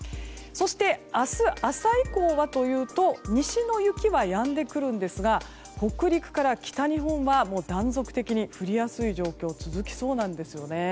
明日朝以降はというと西の雪はやんでくるんですが北陸から北日本は断続的に降りやすい状況が続きそうなんです。